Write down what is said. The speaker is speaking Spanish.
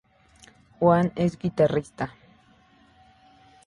Juan es guitarrista.